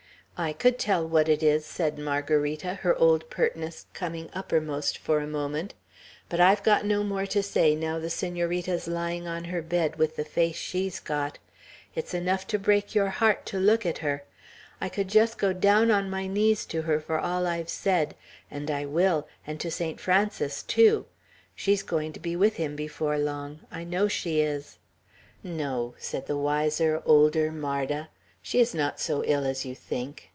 "I could tell what it is," said Margarita, her old pertness coming uppermost for a moment; "but I've got no more to say, now the Senorita's lying on her bed, with the face she's got. It's enough to break your heart to look at her. I could just go down on my knees to her for all I've said; and I will, and to Saint Francis too! She's going to be with him before long; I know she is." "No," said the wiser, older Marda. "She is not so ill as you think.